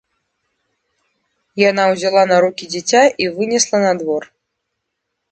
Яна ўзяла на рукі дзіця і вынесла на двор.